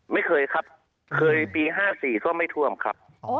ไม่เคยครับเคยปี๕๔ก็ไม่ท่วมครับ